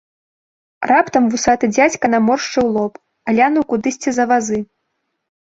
Раптам вусаты дзядзька наморшчыў лоб, глянуў кудысьці за вазы.